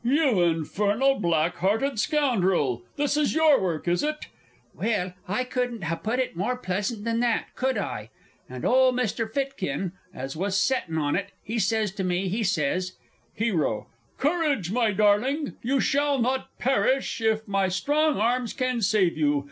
"You infernal, black hearted scoundrel! this is your work, is it?") Well, I couldn't ha'put it more pleasant than that, could I? and old Mr. Fitkin, as was settin' on it, he says to me, he says (HERO. "Courage, my darling! You shall not perish if my strong arms can save you.